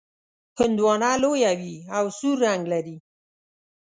هندواڼه لویه وي او سور رنګ لري.